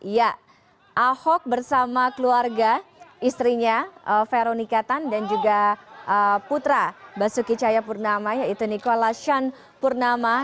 ya ahok bersama keluarga istrinya veronika tan dan juga putra basuki cahayapurnama yaitu nikola shan purnama